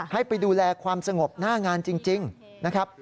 ให้ไปดูแลความสงบหน้างานจริงนะครับ